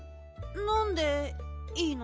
のんでいいの？